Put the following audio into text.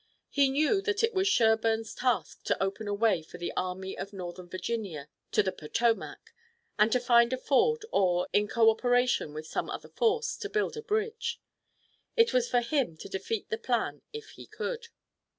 He knew that it was Sherburne's task to open a way for the Army of Northern Virginia to the Potomac and to find a ford, or, in cooperation with some other force, to build a bridge. It was for him to defeat the plan if he could.